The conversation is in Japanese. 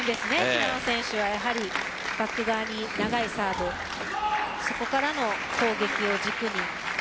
平野選手はやはりバック側に長いサーブそこからの攻撃を軸に。